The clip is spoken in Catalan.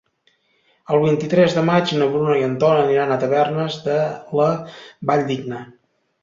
El vint-i-tres de maig na Bruna i en Ton aniran a Tavernes de la Valldigna.